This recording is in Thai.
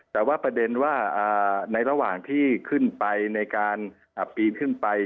แต่ว่าประเด็นว่าในระหว่างที่ขึ้นไปในการปีนขึ้นไป